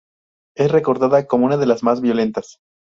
Es recordada como una de las más violentas.